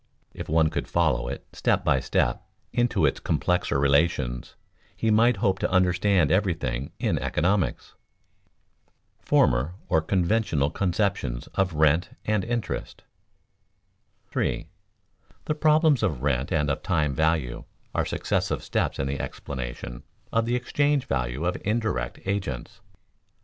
If one could follow it step by step into its complexer relations, he might hope to understand everything in economics. [Sidenote: Former or conventional conceptions of rent and interest] 3. _The problems of rent and of time value are successive steps in the explanation of the exchange value of indirect agents.